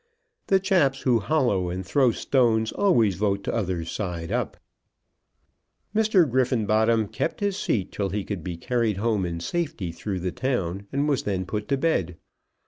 The chaps who hollow and throw stones always vote t'other side up." Mr. Griffenbottom kept his seat till he could be carried home in safety through the town, and was then put to bed.